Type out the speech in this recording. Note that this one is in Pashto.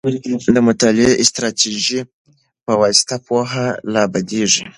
د مطالعې د استراتيژۍ په واسطه پوهه لا بدیږي.